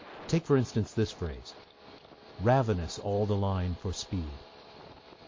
Take, for instance, this phrase: Ravenous all the line for speed.